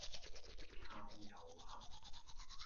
靠右行